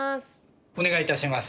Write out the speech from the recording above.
お願いいたします。